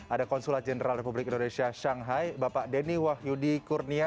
ada konsulat jenderal republik indonesia shanghai bapak denny wahyudi kurnia